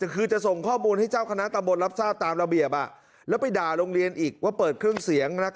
คือจะส่งข้อมูลให้เจ้าคณะตำบลรับทราบตามระเบียบแล้วไปด่าโรงเรียนอีกว่าเปิดเครื่องเสียง